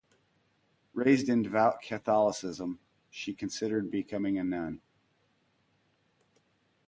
Raised in devout Catholicism, she considered becoming a nun.